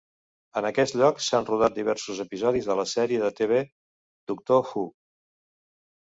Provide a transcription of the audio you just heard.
En aquest lloc s'han rodat diversos episodis de la sèrie de TV Doctor Who.